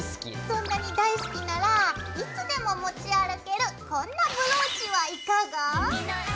そんなに大好きならいつでも持ち歩けるこんなブローチはいかが？